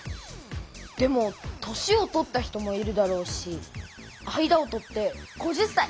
でも年を取った人もいるだろうし間を取って５０才！